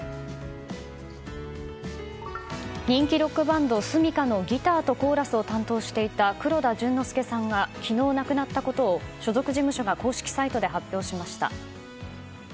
人気ロックバンドｓｕｍｉｋａのギターとコーラスを担当していた黒田隼之介さんが昨日、亡くなったことを所属事務所が公式サイトで発表しました。